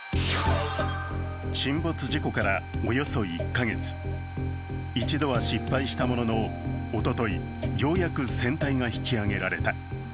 沈没事故からおよそ１カ月、一度は失敗したもののおととい、ようやく船体が引き揚げられた。